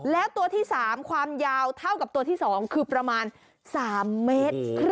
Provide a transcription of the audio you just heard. แล้วตัวที่๓ความยาวเท่ากับตัวที่๒คือประมาณ๓เมตร